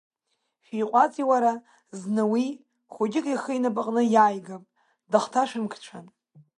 Шәиҟәаҵи, уара, зны уи, хәыҷык ихы инапаҟны иааигап, дыхҭашәымкцәан.